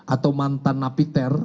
atau mantan napiter